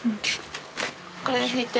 これで拭いて。